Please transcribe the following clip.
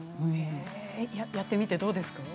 やってみてどうですか？